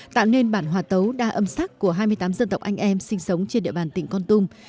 tạo nên bản hòa tấu đa âm sắc của hai mươi tám dân tộc anh em sinh sống trên địa bàn tỉnh con tum